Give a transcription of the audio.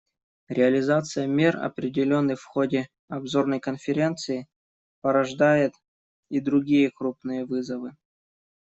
Реализация мер, определенных в ходе обзорной Конференции, порождает и другие крупные вызовы.